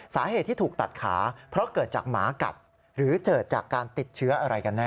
สาเหตุที่ถูกตัดขาเพราะเกิดจากหมากัดหรือเกิดจากการติดเชื้ออะไรกันแน่